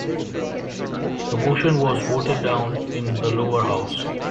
The motion was voted down in the Lower House.